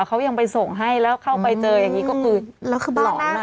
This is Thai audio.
เขายังไปส่งเธอให้เข้าไปเจออย่างงี้ก็คือหลอนอ่ะ